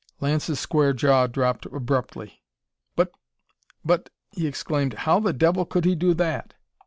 Lance's square jaw dropped abruptly. "But but " he exclaimed, "how the devil could he do that?"